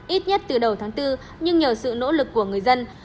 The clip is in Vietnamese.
ít nhất từ đầu tháng bốn nhưng nhờ sự nỗ lực của người dân